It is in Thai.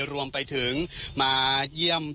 รวมไปถึงมาเยี่ยม